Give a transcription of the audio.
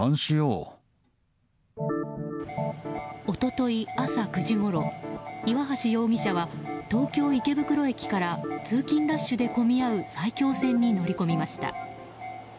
一昨日、朝９時ごろ岩橋容疑者は東京・池袋駅から通勤ラッシュで混み合う埼京線に乗り込みました。